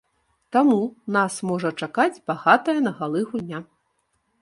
Таму нас можа чакаць багатая на галы гульня.